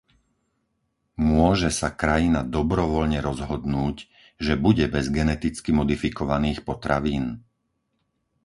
Môže sa krajina dobrovoľne rozhodnúť, že bude bez geneticky modifikovaných potravín?